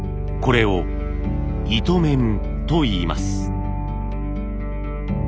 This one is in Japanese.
これを糸面といいます。